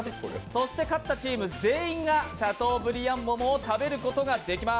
そして勝ったチーム全員がシャトーブリアン桃を食べることができます。